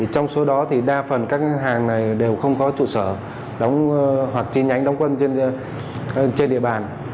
trong số đó thì đa phần các hàng này đều không có trụ sở đóng hoặc chi nhánh đóng quân trên địa bàn